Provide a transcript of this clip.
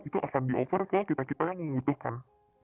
itu akan di over ke kita kita yang membutuhkan